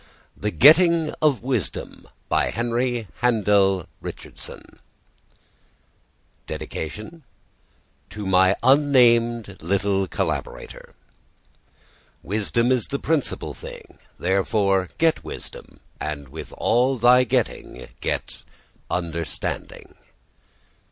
The Getting of Wisdom by Henry Handel Richardson TO MY UNNAMED LITTLE COLLABORATOR Wisdom is the principal thing; therefore get wisdom: and with all thy getting get understanding.